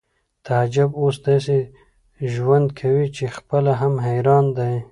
تعجب اوس داسې ژوند کوي چې خپله هم حیران دی